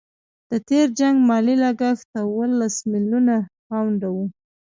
د تېر جنګ مالي لګښت اوولس میلیونه پونډه وو.